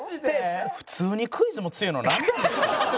普通にクイズも強いのなんなんですか？